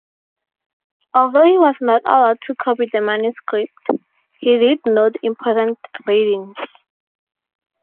Although he was not allowed to copy the manuscript, he did note important readings.